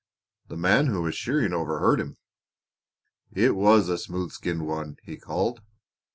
The man who was shearing overheard him. "It was a smooth skinned one," he called.